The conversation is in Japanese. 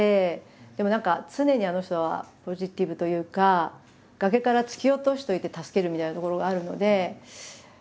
でも何か常にあの人はポジティブというか崖から突き落としといて助けるみたいなところがあるので。